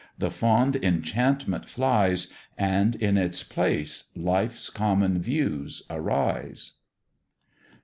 the fond enchantment flies, And in its place life's common views arise.